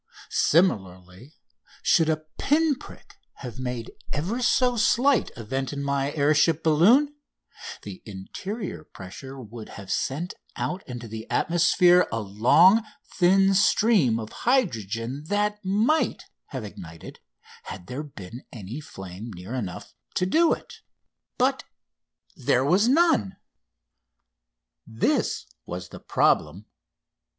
Similarly, should a pin prick have made ever so slight a vent in my air ship balloon, the interior pressure would have sent out into the atmosphere a long thin stream of hydrogen that might have ignited had there been any flame near enough to do it. But there was none. This was the problem.